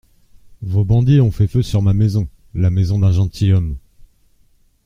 Vos bandits ont fait feu sur ma maison, la maison d'un gentilhomme.